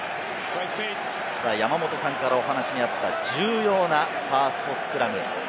山本さんから、お話にあった重要なファーストスクラム。